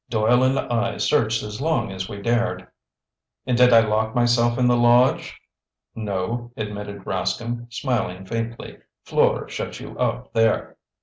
Doyle and I searched as long as we dared." "And did I lock myself in the lodge?" "No," admitted Rascomb, smiling faintly. "Fleur shut you up there."